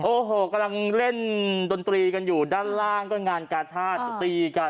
โอ้โหกำลังเล่นดนตรีกันอยู่ด้านล่างก็งานกาชาติตีกัน